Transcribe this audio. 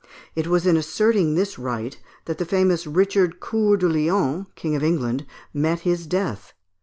It was in asserting this right that the famous Richard Coeur de Lion, King of England, met his death.